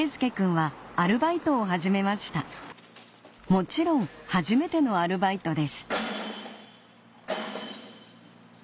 もちろん初めてのアルバイトです